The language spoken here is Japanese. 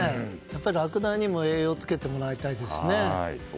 ラクダにも栄養を付けてもらいたいですしね。